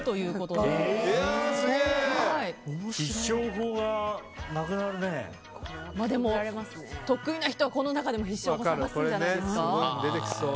でも、得意な人はこの中でも必勝法を探すんじゃないですか。